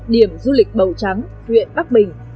điểm du lịch bầu trắng huyện bắc bình